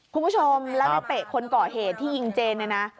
คุณผู้ชมแล้วในเตะคนก่อเหตุที่ยิงเจนเนี่ยนะ